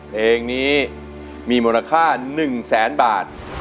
เพลงนี้มีมูลค่า๑แสนบาท